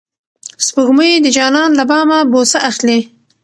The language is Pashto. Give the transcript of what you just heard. سپوږمۍ د جانان له بامه بوسه اخلي.